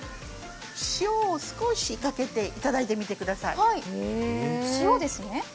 塩を少しかけていただいてみてください。